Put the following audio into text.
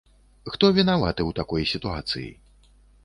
Хто вінаваты у такой сітуацыі?